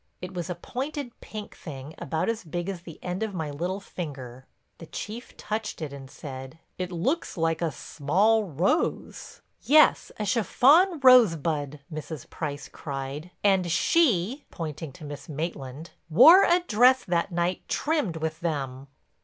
It was a pointed pink thing about as big as the end of my little finger. The Chief touched it and said: "It looks like a small rose." "Yes, a chiffon rosebud," Mrs. Price cried, "and she," pointing to Miss Maitland, "wore a dress that night trimmed with them."